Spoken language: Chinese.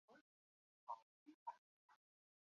毛梗冬青为冬青科冬青属小果冬青下的一个变型。